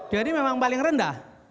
jadi memang paling rendah